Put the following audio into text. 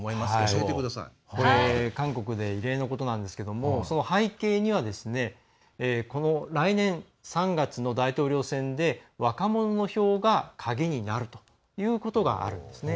韓国では異例のことなんですけどその背景には来年、３月の大統領選で若者の票が鍵になるということがあるんですね。